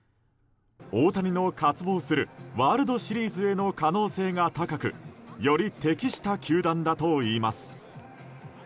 大谷の渇望するワールドシリーズへの可能性が高くより適した球団だといいます。